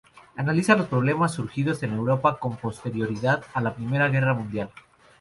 Analiza los problemas surgidos en Europa con posterioridad a la primera guerra mundial.